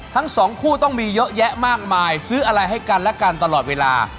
ทั้งสองคู่ต้องมีเยอะแยะมากมายซื้ออะไรให้กันและกันตลอดเวลา